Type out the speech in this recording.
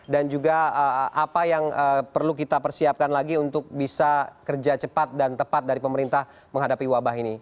dan juga apa yang perlu kita persiapkan lagi untuk bisa kerja cepat dan tepat dari pemerintah menghadapi wabah ini